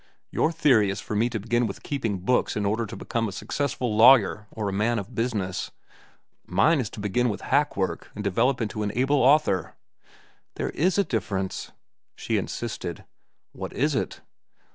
Your theory is for me to begin with keeping books in order to become a successful lawyer or man of business. Mine is to begin with hack work and develop into an able author." "There is a difference," she insisted. "What is it?"